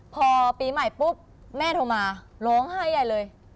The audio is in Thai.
พอปีใหม่ปุ๊บแม่โทรมาร้องไห้ใหญ่เลย